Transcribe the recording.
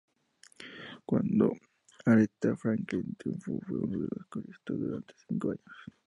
Cuando Aretha Franklin triunfó fue una de sus coristas durante cinco años.